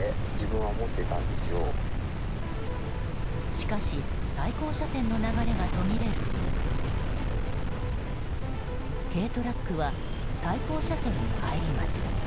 しかし対向車線の流れが途切れると軽トラックは対向車線に入ります。